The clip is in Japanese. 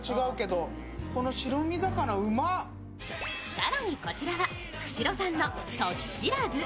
更にこちらは釧路産のトキシラズ。